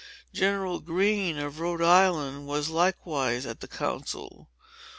General Greene, of Rhode Island, was likewise at the council.